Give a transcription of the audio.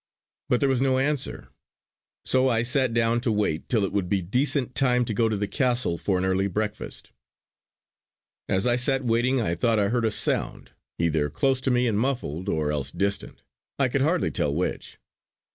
But there was no answer. So I sat down to wait till it would be decent time to go to the Castle for an early breakfast. As I sat waiting I thought I heard a sound, either close to me and muffled, or else distant; I could hardly tell which.